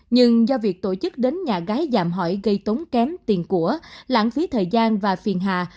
nhưng do việc tổ chức đến nhà gái giảm hỏi gây tốn kém tiền của lãng phí thời gian và phiền hà